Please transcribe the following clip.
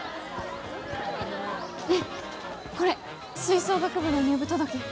ねえこれ吹奏楽部の入部届。